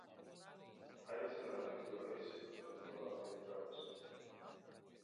Aicināju, jo esi mans labākais draugs.